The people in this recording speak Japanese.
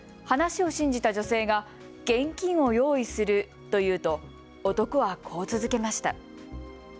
話を信じた女性が現金を用意すると言うと男は、こう続けました。